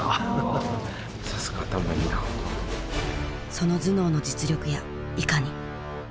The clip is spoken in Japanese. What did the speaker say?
その頭脳の実力やいかに？